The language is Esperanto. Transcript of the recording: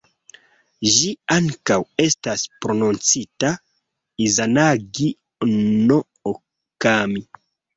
Ĝi ankaŭ estas prononcita "Izanagi-no-Okami".